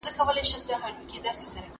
مذهب د فرد په کړنو کي شتون درلود.